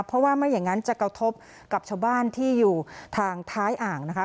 เพราะว่าไม่อย่างนั้นจะกระทบกับชาวบ้านที่อยู่ทางท้ายอ่างนะคะ